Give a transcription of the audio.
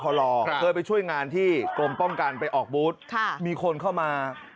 พอเคยไปช่วยงานที่กรมป้องกันไปออกบูธมีคนเข้ามา